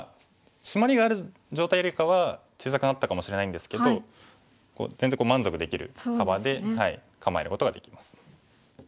シマリがある状態よりかは小さくなったかもしれないんですけど全然満足できる幅で構えることができます。